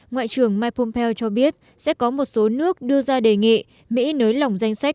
ngoại trưởng mike pompeo cho biết sẽ có một số nước đưa ra đề nghị mỹ nới lỏng danh sách